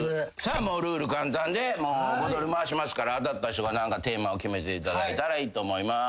もうルール簡単でボトル回しますから当たった人が何かテーマを決めていただいたらいいと思います。